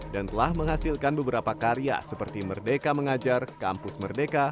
dan telah menghasilkan beberapa karya seperti merdeka mengajar kampus merdeka